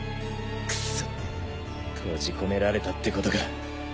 くそっ閉じ込められたってことか。